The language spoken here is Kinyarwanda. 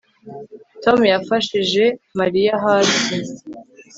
Tom yafashije Mariya hasi